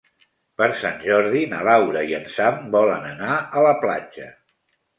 Per Sant Jordi na Laura i en Sam volen anar a la platja.